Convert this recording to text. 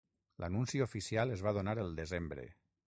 L'anunci oficial es va donar el desembre.